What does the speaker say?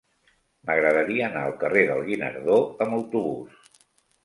M'agradaria anar al carrer del Guinardó amb autobús.